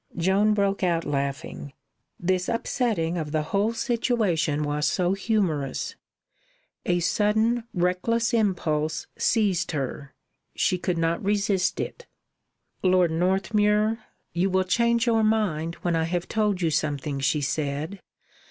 Joan broke out laughing; this upsetting of the whole situation was so humorous. A sudden reckless impulse seized her. She could not resist it. "Lord Northmuir, you will change your mind when I have told you something," she said.